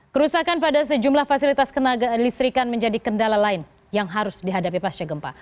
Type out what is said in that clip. kerusakan pada sejumlah fasilitas listrikan menjadi kendala lain yang harus dihadapi pasca gempa